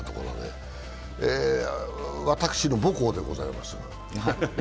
立教大学、私の母校でございます。